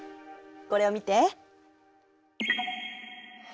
これを見て。